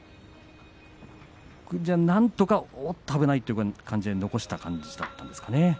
なんとか危ないという感じで残した感じだったんですかね？